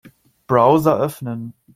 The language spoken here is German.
Browser öffnen.